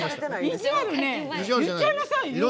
いじわるね言っちゃいなさいよ。